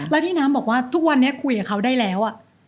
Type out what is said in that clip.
แล้วที่น้ำบอกว่าทุกวันนี้คุยกับเขาได้แล้ว